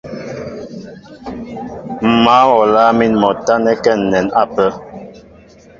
M̀ mǎl wɔ a lâŋ mín mɔ a tánɛ́kɛ́ ǹnɛn ápə́.